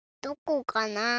どこかな？